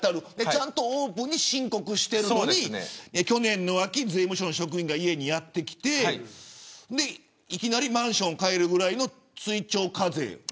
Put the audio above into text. ちゃんとオープンに申告しているのに去年の秋、税務署の職員が家にやって来ていきなりマンション買えるぐらいの追徴課税。